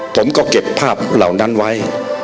ผมก็เก็บภาพเหล่านั้นไว้